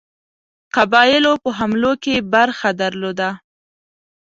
قبایلو په حملو کې برخه درلوده.